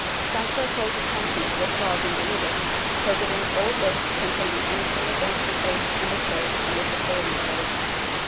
Sancho calls attention to the clause in the edicts forbidding all books containing any thing against the faith and the Church and its observances.